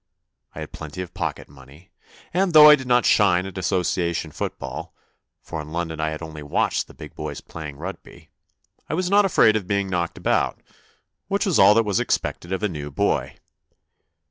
I had plenty of pocket money, and though I did not shine at Association football, for in London I had only watched the big boys playing Rugby, I was not afraid of being knocked about, which was all that was ex pected of a new boy.